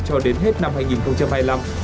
cho đến hết năm hai nghìn hai mươi năm